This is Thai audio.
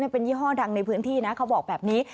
เป็นยี่ห้อดังในพื้นที่นะเขาบอกแบบนี้